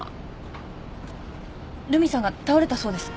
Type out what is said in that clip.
留美さんが倒れたそうです。